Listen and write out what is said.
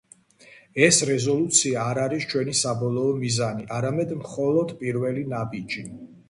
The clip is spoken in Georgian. ეს რეზოლუცია არ არის ჩვენი საბოლოო მიზანი, არამედ მხოლოდ პირველი ნაბიჯი.